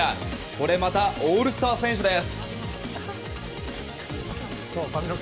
これまたオールスター選手です。